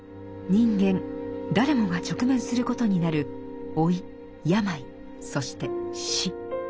人間誰もが直面することになる老い病そして死。